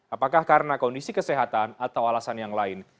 apakah karena kondisi kesehatan atau alasan yang lain